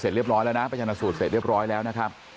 เรียบร้อยแล้วนะไปชนะสูตรเสร็จเรียบร้อยแล้วนะครับ